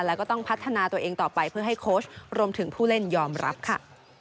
แล้วก็ต้องพัฒนาตัวเองต่อไปเพื่อให้โค้ชรวมถึงผู้เล่นยอมรับค่ะ